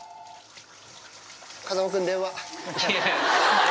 風間君、電話。